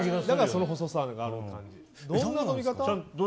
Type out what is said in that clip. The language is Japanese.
だから、その細さがあるのかな。